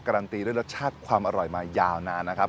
การันตีด้วยรสชาติความอร่อยมายาวนานนะครับ